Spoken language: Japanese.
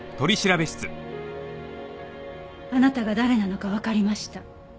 あなたが誰なのかわかりました。